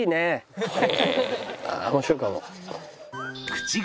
面白いかも。